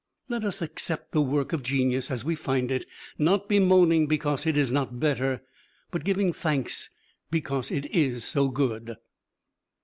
Let us accept the work of genius as we find it; not bemoaning because it is not better, but giving thanks because it is so good.